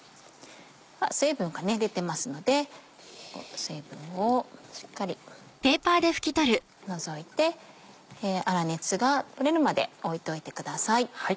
水分が出てますので水分をしっかり除いて粗熱がとれるまで置いといてください。